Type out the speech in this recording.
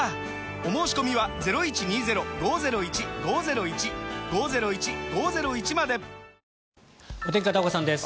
お申込みはお天気、片岡さんです。